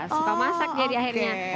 suka masak jadi akhirnya